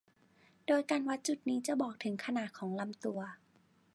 โดยการวัดจุดนี้จะบอกถึงขนาดของลำตัว